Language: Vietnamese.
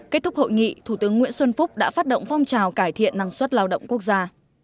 kết thúc hội nghị thủ tướng nguyễn xuân phúc đã phát động phong trào cải thiện năng suất lao động quốc gia